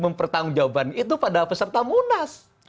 mempertanggung jawaban itu pada peserta munas